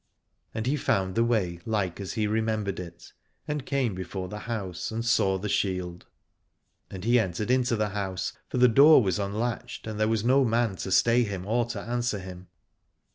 And he found the way like as he remembered it, and came before the house and saw the shield : and he entered into the house, for the door was unlatched and there was no man to stay him or to answer him.